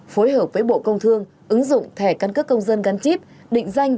phối hợp với bộ công thương ứng dụng thẻ căn cước công dân gắn chip định danh